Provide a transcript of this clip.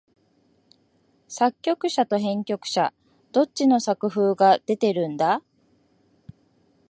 作曲者と編曲者、どっちの作風が出てるんだ？